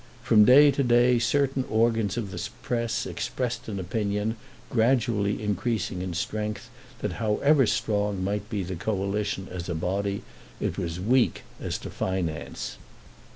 From day to day certain organs of the Press expressed an opinion, gradually increasing in strength, that however strong might be the Coalition as a body, it was weak as to finance.